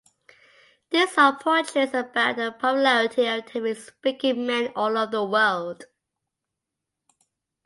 This song portrays about the popularity of Tamil speaking men all over the world.